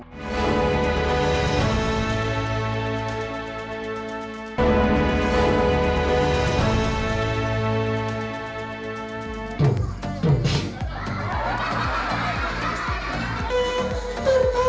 ketika itu saya akan melarang